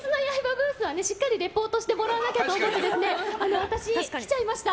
ブースはしっかりリポートしてもらわなきゃと思って私、来ちゃいました。